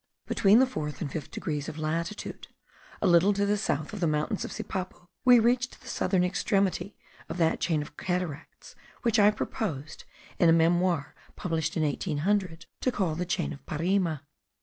Between the fourth and fifth degrees of latitude, a little to the south of the mountains of Sipapo, we reach the southern extremity of that chain of cataracts, which I proposed, in a memoir published in 1800, to call the Chain of Parima.